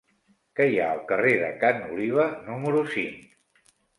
Què hi ha al carrer de Ca n'Oliva número cinc?